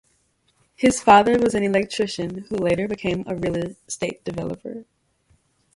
His father was an electrician who later became a real estate developer.